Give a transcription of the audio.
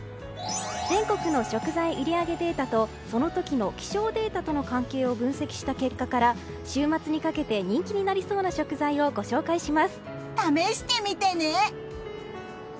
全国の食材売り上げデータとその時の気象データとの関係を分析した結果から週末にかけて人気になりそうな食材を試してみてね！